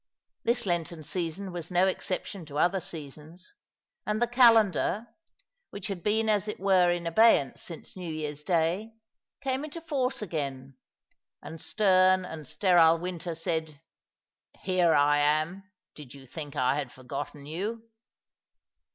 This Lenten season was no exception to other seasons ; and the calendar — which had been as it were in abeyance since New Year's Day — came into force again — and stem and sterile "Winter said, " Here am I. Did you think I had forgotten you?"